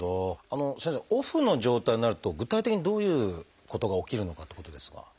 先生オフの状態になると具体的にどういうことが起きるのかってことですが。